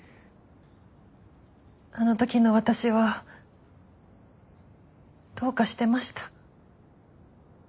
あの時の私はどうかしてました。